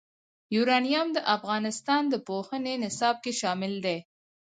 یورانیم د افغانستان د پوهنې نصاب کې شامل دي.